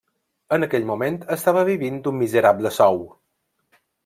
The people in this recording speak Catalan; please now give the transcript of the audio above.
En aquell moment estava vivint d'un miserable sou.